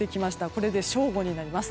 これで正午になります。